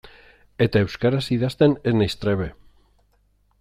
Eta euskaraz idazten ez naiz trebe.